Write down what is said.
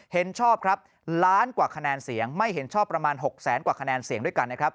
เห็นชอบครับล้านกว่าคะแนนเสียงไม่เห็นชอบประมาณ๖แสนกว่าคะแนนเสียงด้วยกันนะครับ